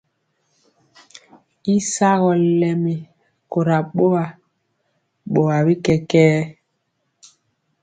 Y sagɔ lɛmi kora boa, boa bi kɛkɛɛ.